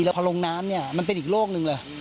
แล้วพอลงน้ำเนี่ยมันเป็นอีกโลกหนึ่งเลย